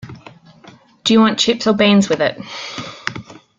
Do you want chips or beans with it?